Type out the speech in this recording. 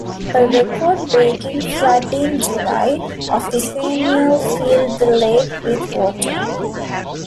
A record-breaking flood in July of the same year filled the lake with water.